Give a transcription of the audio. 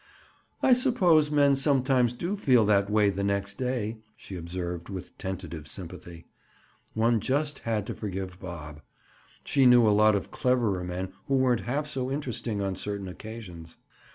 "I suppose men sometimes do feel that way the next day," she observed with tentative sympathy. One just had to forgive Bob. She knew a lot of cleverer men who weren't half so interesting on certain occasions.